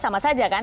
sama saja kan